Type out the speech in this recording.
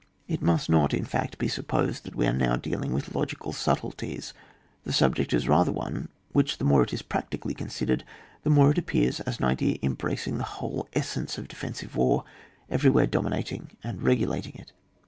It must not, in fact, be supposed that we are now dealing with logical sub tilties ; the subject is rather one which the more it is practically considered, the more it appears as an idea embracing the whole essence of defensive war, every where dominating and regulating it.